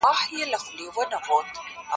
پښتو اصالت ژوندي ساتي.